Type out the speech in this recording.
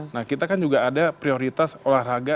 nah kita kan juga ada prioritas olahraga